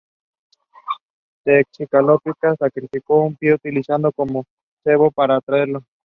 Tezcatlipoca sacrificó un pie al utilizarlo como cebo para atraerlo.